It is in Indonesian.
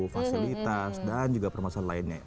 fasilitas dan juga permasalahan lainnya